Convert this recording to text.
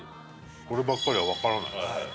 こればっかりはわからないね。